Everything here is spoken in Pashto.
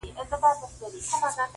ما ته سپي ؤ په ژوندینه وصیت کړی,